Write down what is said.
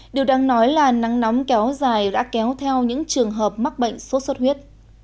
điều đáng nói là nắng nóng kéo dài đã kéo theo những trường hợp mắc bệnh sốt xuất huyết